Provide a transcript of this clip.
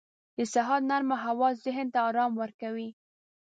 • د سهار نرمه هوا ذهن ته آرام ورکوي.